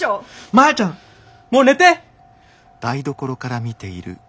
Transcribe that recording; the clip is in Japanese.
マヤちゃんもう寝て！